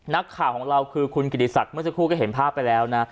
นักข่าวของเราคือคุณกิติศักดิ์เมื่อสักครู่ก็เห็นภาพไปแล้วนะ